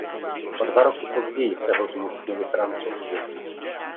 O dva roky později se ho zmocnili Francouzi.